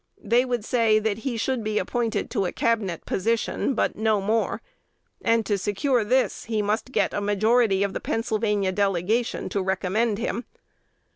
They would say that he should be appointed to a Cabinet position, but no more; and to secure this, he must get a majority of the Pennsylvania delegation to recommend him.